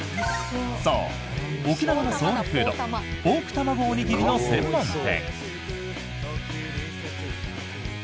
そう、沖縄のソウルフードポークたまごおにぎりの専門店。